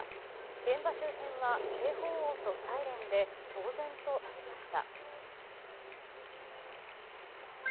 現場周辺は警報音とサイレンで騒然となりました。